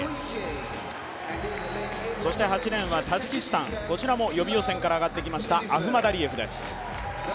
そして８レーンはタジキスタン、こちらも予備予選から上がってきました選手です。